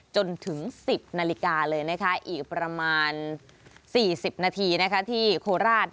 จนถึง๑๐นาฬิกาเลยอีกประมาณ๔๐นาทีที่โคราช